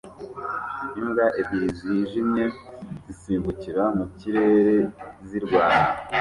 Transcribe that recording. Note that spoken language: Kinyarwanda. imbwa ebyiri zijimye zisimbukira mu kirere zirwana